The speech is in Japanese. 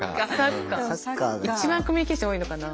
一番コミュニケーション多いのかな。